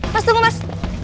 mas tunggu mas